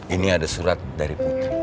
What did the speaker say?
ini ada surat dari putri